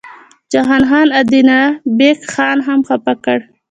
جهان خان ادینه بېګ خان هم خپه کړ.